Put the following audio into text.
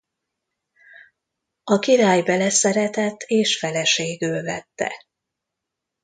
A király beleszeretett és feleségül vette.